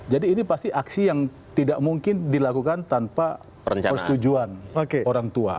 jadi ini pasti aksi yang tidak mungkin dilakukan tanpa perstujuan orang tua